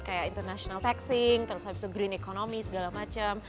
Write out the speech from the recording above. kayak international taxing terus habis itu green economy segala macam